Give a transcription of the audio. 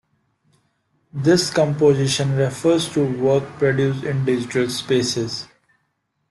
This composition refers to work produced in digital spaces.